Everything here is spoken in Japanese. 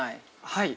◆はい。